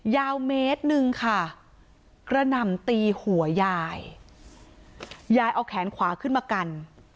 ยาวเมตรหนึ่งค่ะกระหน่ำตีหัวยายยายเอาแขนขวาขึ้นมากัน